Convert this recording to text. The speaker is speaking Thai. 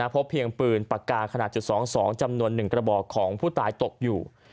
พบเพียงปืนปากกาขนาดจุด๒๒จำนวน๑กระบอกของผู้ตายตกอยู่